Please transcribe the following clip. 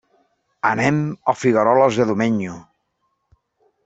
Anem a Figueroles de Domenyo.